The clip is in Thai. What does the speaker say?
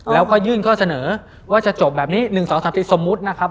แล้วก็ยื่นข้อเสนอว่าจะจบแบบนี้๑๒๓๔สมมุตินะครับ